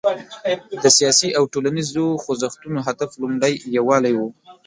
د سیاسي او ټولنیزو خوځښتونو هدف لومړی یووالی و.